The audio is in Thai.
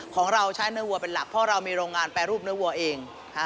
ของเราใช้เนื้อวัวเป็นหลักเพราะเรามีโรงงานแปรรูปเนื้อวัวเอง